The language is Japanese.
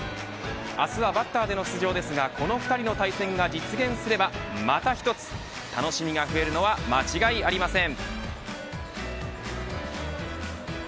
明日は、バッターでの出場ですがこの２人の対戦が実現すればまた一つ楽しみが増えるのは間違いありません。